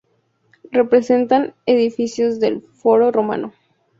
Representan edificios del Foro Romano.